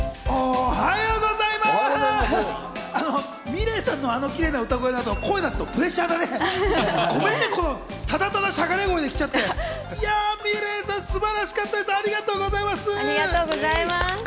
おはようございます。